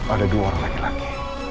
ada dua orang laki laki